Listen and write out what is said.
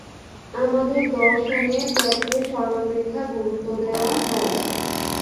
আমাদের দর্শনে ত্যাগকে সর্বাপেক্ষা গুরুত্ব দেওয়া হয়।